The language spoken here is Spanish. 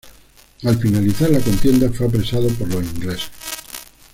Al finalizar la contienda fue apresado por los ingleses.